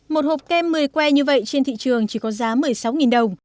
một hộp kem một mươi que như vậy trên thị trường chỉ có giá một mươi sáu đồng